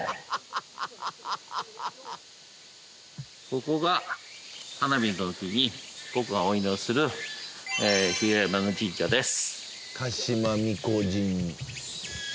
ここが花火の時に僕がお祈りする日和山の神社です